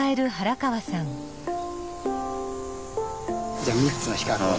じゃあ３つの比較を。